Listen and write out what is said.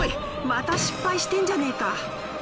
また失敗してんじゃねえか。